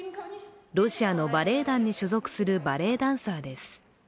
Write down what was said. ロシアのバレエ団に所属するバレエダンサーです。